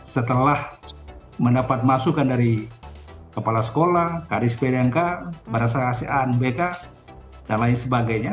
setelah mendapat masukan dari kepala sekolah garis bdnk barang asal asean bk dan lain sebagainya